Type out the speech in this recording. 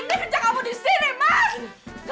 kejak kamu disini mas